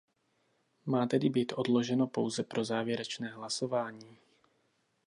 Má tedy být odloženo pouze závěrečné hlasování.